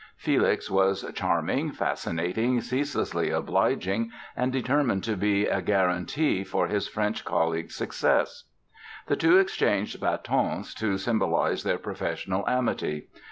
Felix "was charming, fascinating, ceaselessly obliging and determined to be a guarantee for his French colleague's success". The two exchanged batons to symbolize their professional amity.